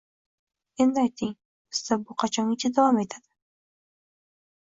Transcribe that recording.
Endi ayting: bizda bu qachongacha davom etadi?